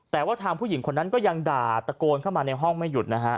แต่ว่าทางผู้หญิงคนนั้นก็ยังด่าตะโกนเข้ามาในห้องไม่หยุดนะฮะ